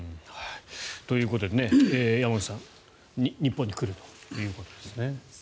ということで、山口さん日本に来るということですね。